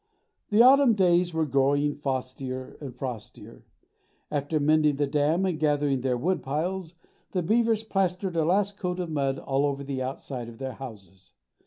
The autumn days were growing frostier and frostier. After mending the dam and gathering their woodpiles, the beavers plastered a last coat of mud all over the outside of their houses.